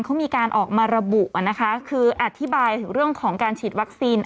เขามีการออกมาระบุนะคะคืออธิบายถึงเรื่องของการฉีดวัคซีน